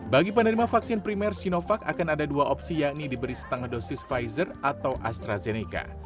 bagi penerima vaksin primer sinovac akan ada dua opsi yakni diberi setengah dosis pfizer atau astrazeneca